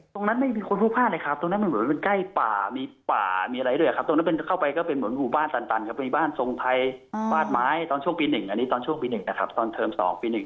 ไม่มีคนพลุกพลาดเลยครับตรงนั้นมันเหมือนมันใกล้ป่ามีป่ามีอะไรด้วยครับตรงนั้นเป็นเข้าไปก็เป็นเหมือนหมู่บ้านตันครับมีบ้านทรงไทยบ้านไม้ตอนช่วงปี๑อันนี้ตอนช่วงปี๑นะครับตอนเทอม๒ปี๑